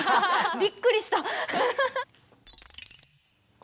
びっくりした。